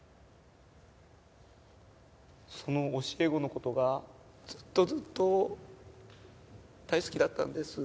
その教え子の事がずっとずっと大好きだったんです。